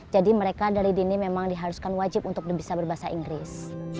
jadi mereka dari dini memang diharuskan wajib untuk bisa berbahasa inggris